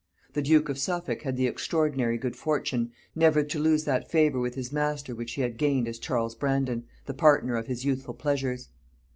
The duke of Suffolk had the extraordinary good fortune never to lose that favor with his master which he had gained as Charles Brandon, the partner of his youthful pleasures.